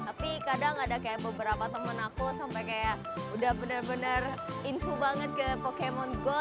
tapi kadang ada kayak beberapa temen aku sampai kayak udah bener bener info banget ke pokemon go